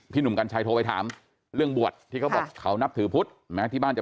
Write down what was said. พี่หนุ่มกัญชัยโทรไปถามเรื่องบวชที่เขาบอกเขานับถือพุธ